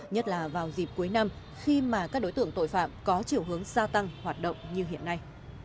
nhất là vào dịp cuối năm khi mà các đối tượng tội phạm có chiều hướng gia tăng hoạt động như hiện nay